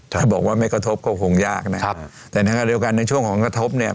อืมถ้าบอกว่าไม่กระทบก็คงยากนะครับครับแต่ในช่วงของกระทบเนี้ย